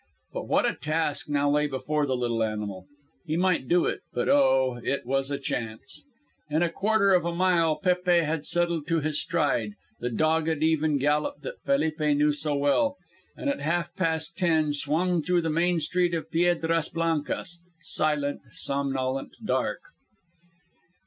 But what a task now lay before the little animal. He might do it, but oh! it was a chance! In a quarter of a mile Pépe had settled to his stride, the dogged, even gallop that Felipe knew so well, and at half past ten swung through the main street of Piedras Blancas silent, somnolent, dark.